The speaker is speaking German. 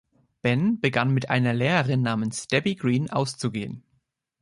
Ben begann mit einer Lehrerin namens Debbie Green auszugehen.